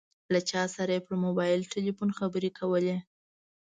له چا سره یې پر موبایل ټیلیفون خبرې کولې.